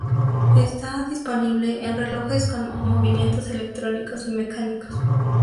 Está disponible en relojes con movimientos electrónicos y mecánicos.